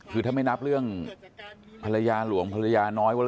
คือถ้าไม่นับเรื่องภรรยาหลวงภรรยาน้อย